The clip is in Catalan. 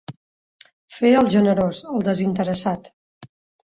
Fer el generós, el desinteressat.